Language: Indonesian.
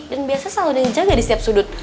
dan biasa selalu dinyatakan di setiap sudut